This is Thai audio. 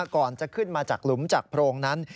ก่อนจะขึ้นมาจากหลุมจากโพรงนั้น